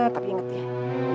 tapi inget ya